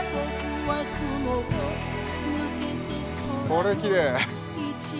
これきれい！